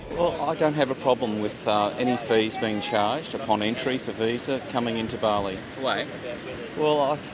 pembayaran penghutan yang kita panggil apakah itu penghutan yang berharga